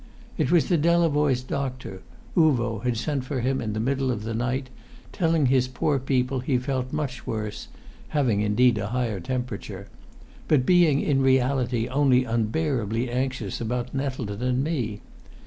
It was the Delavoyes' doctor. Uvo had sent for him in the middle of the night, telling his poor people he felt much worse having indeed a higher temperature but being in reality only unbearably anxious about Nettleton and me.